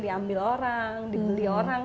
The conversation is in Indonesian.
diambil orang dibeli orang